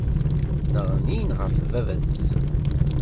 Nneɣnin ɣef baba-tsen.